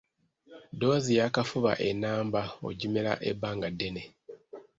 Ddoozi y'akafuba ennamba ogimirira ebbanga ddene